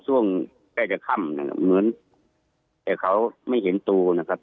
ช่วงใกล้จะค่ำนะครับเหมือนแต่เขาไม่เห็นตัวนะครับ